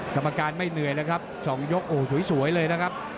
กรรมการไม่เหนื่อยเลยครับ๒ยกโอ้สวยเลยนะครับ